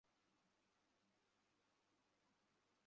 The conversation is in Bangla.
এ বিষয়ে ইতিপূর্বে আলোচনা করা হয়েছে।